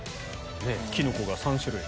キノコが３種類。